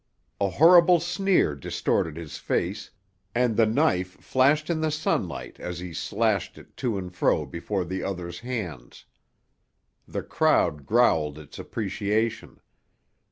A horrible sneer distorted his face, and the knife flashed in the sunlight as he slashed it to and fro before the other's hands. The crowd growled its appreciation.